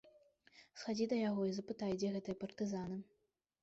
Схадзі да яго і запытай, дзе гэтыя партызаны.